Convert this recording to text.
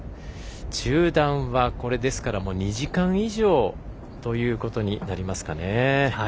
中断はこれ２時間以上ということになりますかね。